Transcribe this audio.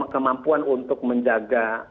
kemampuan untuk menjaga